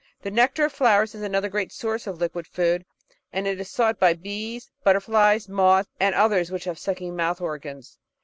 The nectar of flowers is another great source of liquid food, and is sought by Bees, Butterflies, Moths, and others which have sucking mouth organs.